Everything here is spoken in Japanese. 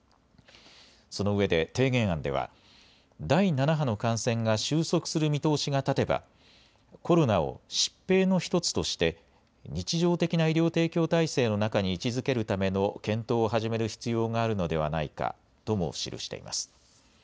そのうえで提言案では第７波の感染が収束する見通しが立てばコロナを疾病の１つとして日常的な医療提供体制の中に位置づけるための検討を始める必要があるのではないかとも記しています。